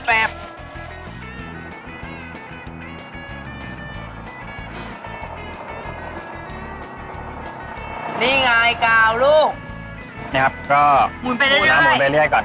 อืมนี่ไงกาวลูกนี่ครับก็หมุนไปเรื่อยเรื่อยก่อน